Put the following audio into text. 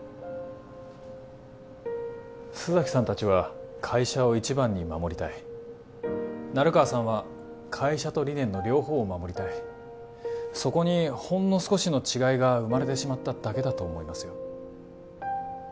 須崎さん達は会社を一番に守りたい成川さんは会社と理念の両方を守りたいそこにほんの少しの違いが生まれてしまっただけだと思いますよ